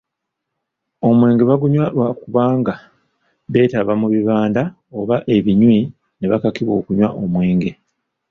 Omwenge bagunywa lwa kubanga beetaba mu bibanda oba ebinywi ne bakakibwa okunywa omwenge.